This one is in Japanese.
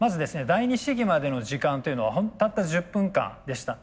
第二試技までの時間というのはたった１０分間でした。